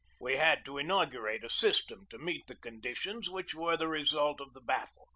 We had to inaugurate a system to meet the conditions which were the result of the battle.